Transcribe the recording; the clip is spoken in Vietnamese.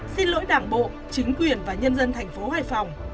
xin lỗi đảng bộ chính quyền và nhân dân thành phố hải phòng